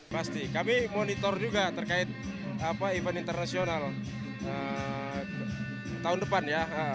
pasti kami monitor juga terkait event internasional tahun depan ya